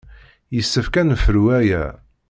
Yessefk ad nefru aya.